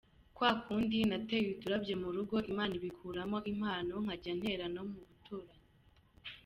Kwa kundi nateye uturabyo mu rugo Imana ibikuramo impano nkajya ntera no mu baturanyi.